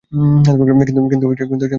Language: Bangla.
কিন্তু তার স্ত্রীকে নয়।